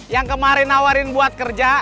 yang kemarin nawarin buat kerja